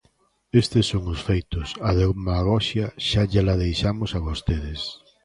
Estes son os feitos, a demagoxia xa llela deixamos a vostedes.